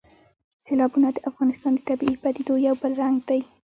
سیلابونه د افغانستان د طبیعي پدیدو یو بل رنګ دی.